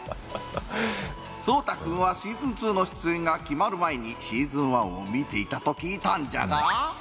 蒼汰君はシーズン２の出演が決まる前にシーズン１を見ていたと聞いたんじゃが？